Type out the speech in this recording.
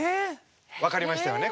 分かりましたよね？